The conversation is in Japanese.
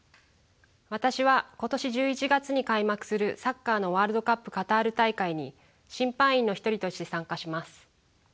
私は今年１１月に開幕するサッカーのワールドカップカタール大会に審判員の一人として参加します。